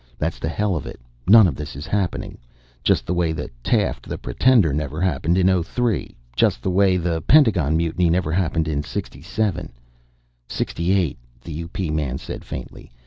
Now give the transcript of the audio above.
"That's the hell of it. None of this is happening. Just the way Taft the Pretender never happened in '03. Just the way the Pentagon Mutiny never happened in '67." "'68," the U.P. man said faintly.